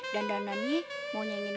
dandanannya mau nyanyi